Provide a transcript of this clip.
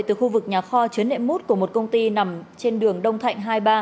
từ khu vực nhà kho chứa đệm mút của một công ty nằm trên đường đông thạnh hai mươi ba